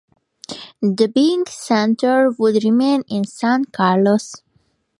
The Bing Center would remain in San Carlos.